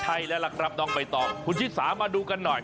ใช่แล้วล่ะครับน้องใบตองคุณชิสามาดูกันหน่อย